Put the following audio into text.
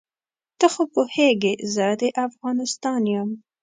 ته خو پوهېږې زه د افغانستان یم.